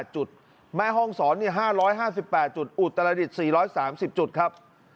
๖๓๘จุดแม่ห้องสอนนี่๕๕๘จุดอุตรดิษฐ์๔๓๐จุดครับ